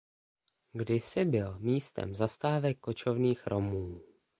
Kdysi byl místem zastávek kočovných Romů.